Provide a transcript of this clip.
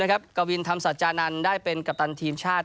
กวินธรรมสัจจานันทร์ได้เป็นกัปตันทีมชาติ